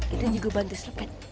itu juga bantu selepet